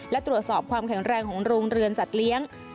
และตรวจสอบความแข็งแรงของโรงเรือนสัตว์เลี้ยง